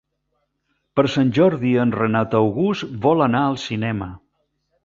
Per Sant Jordi en Renat August vol anar al cinema.